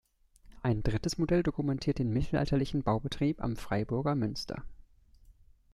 Ein drittes Modell dokumentiert den mittelalterlichen Baubetrieb am Freiburger Münster.